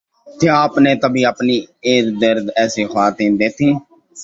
کیا آپ نے کبھی اپنی اررگرد ایسی خواتین دیکھیں